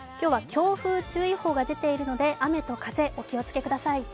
今日は強風注意報が出ているので雨と風、お気をつけください。